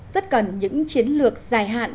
rất cần những chiến lược dài hạn